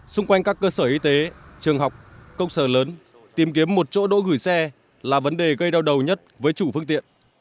xung quanh các cơ sở y tế trường học công sở lớn tìm kiếm một chỗ đỗ gửi xe là vấn đề gây đau đầu nhất với chủ phương tiện